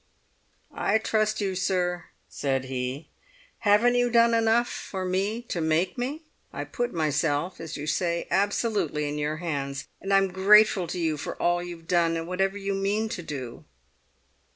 "I trust you, sir," said he; "haven't you done enough for me to make me? I put myself, as you say, absolutely in your hands; and I'm grateful to you for all you've done and whatever you mean to do!"